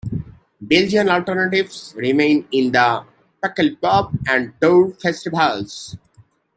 Belgian alternatives remain in the Pukkelpop and Dour festivals.